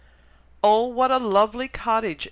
"Oh! what a lovely cottage!"